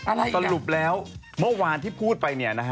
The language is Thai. อะไรอีกอย่างสรุปแล้วเมื่อวานที่พูดไป